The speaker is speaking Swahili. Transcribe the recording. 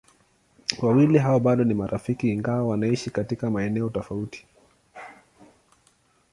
Wawili hao bado ni marafiki ingawa wanaishi katika maeneo tofauti.